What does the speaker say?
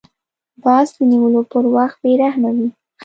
باز د نیولو پر وخت بې رحمه وي